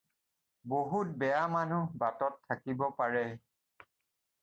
বহুত বেয়া মানুহ বাটত থাকিব পাৰে।